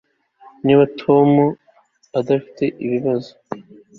Niba ari Tom dufite ibibazo